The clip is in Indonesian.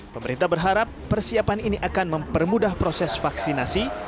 pemerintah berharap persiapan ini akan mempermudah proses vaksinasi